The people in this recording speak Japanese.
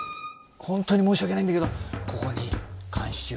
本当に申し訳ないんだけどここに監視用。